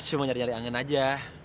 cuma nyari nyari angin aja